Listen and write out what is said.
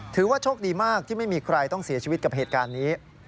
ถือว่าโชคดีมากที่ไม่มีใครต้องเสียชีวิตกับเหตุการณ์นี้